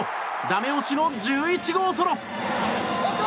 ダメ押しの１１号ソロ！